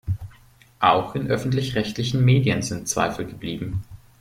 Auch in öffentlich-rechtlichen Medien sind Zweifel geblieben.